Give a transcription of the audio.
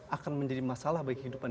akan menjadi masalah bagi kehidupan